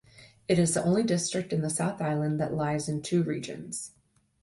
It is the only district in the South Island that lies in two regions.